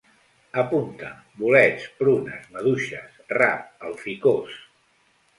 Apunta: bolets, prunes, maduixes, rap, alficòs